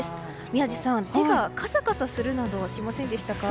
宮司さん、手がカサカサするなどしませんでしたか？